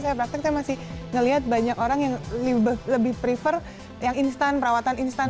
saya praktek saya masih ngelihat banyak orang yang lebih prefer yang instan perawatan instan